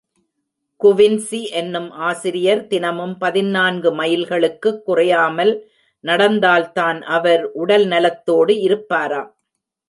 Quincy என்னும் ஆசிரியர் தினமும் பதினான்கு மைல்களுக்குக் குறையாமல் நடந்தால்தான் அவர் உடல் நலத்தோடு இருப்பாராம்.